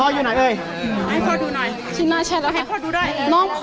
พ่ออยู่ไหนเอ่ยให้พ่อดูหน่อยจีน่าใช่แล้วค่ะให้พ่อดูได้น้อง